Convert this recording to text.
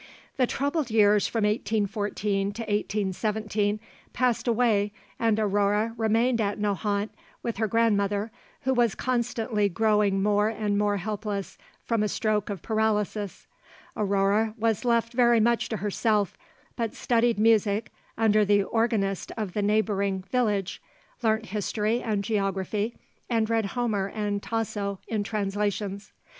The troubled years from 1814 to 1817 passed away and Aurore remained at Nohant with her grandmother, who was constantly growing more and more helpless from a stroke of paralysis. Aurore was left very much to herself, but studied music under the organist of the neighbouring village, learnt history and geography, and read Homer and Tasso in translations.